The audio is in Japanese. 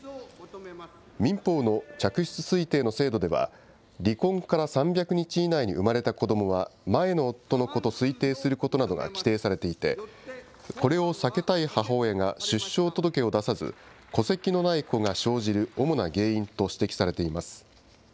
民法の嫡出推定の制度では、離婚から３００日以内に生まれた子どもは、前の夫の子と推定することなどが規定されていて、これを避けたい母親が出生届を出さず、戸籍のない子が生じる主な原因と指摘されています。